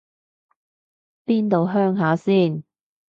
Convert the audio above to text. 邊度鄉下先